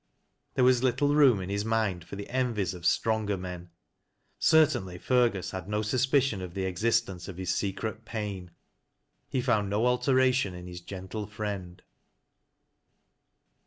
There was little room in his mind for the envies of stronger men. Certainly Fergus had no suspicion of the existence oE his secret pain. He found no alteration in his gentle friend.